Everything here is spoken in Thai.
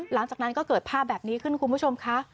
หลังจากนั้นก็เกิดภาพแบบนี้ขึ้นคุณผู้ชมค่ะ